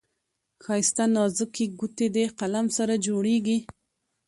ښايسته نازكي ګوتې دې قلم سره جوړیږي.